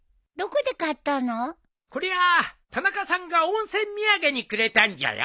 こりゃ田中さんが温泉土産にくれたんじゃよ。